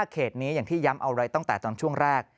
เขตนี้อย่างที่ย้ำเอาไว้ตั้งแต่ตอนช่วงแรก